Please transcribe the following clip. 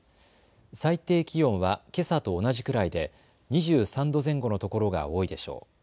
最低気温はけさと同じくらいで２３度前後の所が多いでしょう。